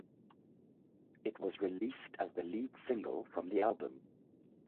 It was released as the lead single from the album.